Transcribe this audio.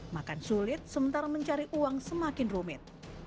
makan sulit sementara mencari uang semakin rumit